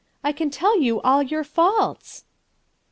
I can tell you all your faults."